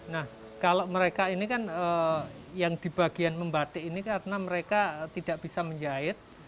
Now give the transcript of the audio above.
nah kalau mereka ini kan yang di bagian membatik ini karena mereka tidak bisa menjahit